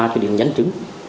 cho đến nhấn chứng